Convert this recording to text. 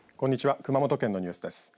熊本県のニュースです。